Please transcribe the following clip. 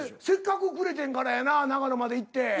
せっかくくれてんからやな長野まで行って。